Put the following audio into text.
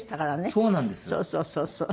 そうそうそうそう。